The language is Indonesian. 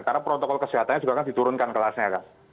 karena protokol kesehatannya juga kan diturunkan kelasnya kan